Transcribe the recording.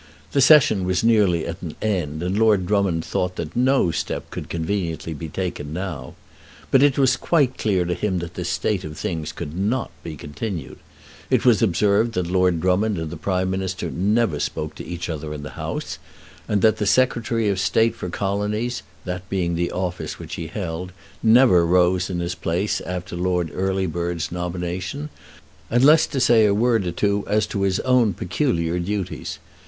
The Session was nearly at an end, and Lord Drummond thought that no step could be conveniently taken now. But it was quite clear to him that this state of things could not be continued. It was observed that Lord Drummond and the Prime Minister never spoke to each other in the House, and that the Secretary of State for the Colonies, that being the office which he held, never rose in his place after Lord Earlybird's nomination, unless to say a word or two as to his own peculiar duties.